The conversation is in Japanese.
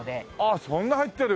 ああそんな入ってる？